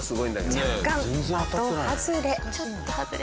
若干的外れ。